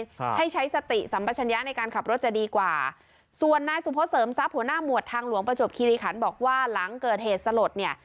ครับให้ใช้สติสัมปัชญะในการขับรถจะดีกว่าส่วนนายสุพศเสริมทรัพย์หัวหน้าหมวดทางหลวงประจวบคิริขันบอกว่าหลังเกิดเหตุสลดเนี่ย